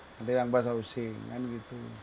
nanti yang bahasa using kan gitu